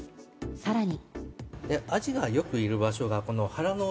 さらに。